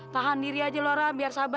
tahan diri aja lora biar sabar ya